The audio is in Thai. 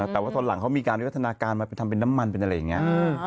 แต่ว่าตอนหลังเขามีการวิวัฒนาการมาทำเป็นน้ำมันเป็นอะไรอย่างนี้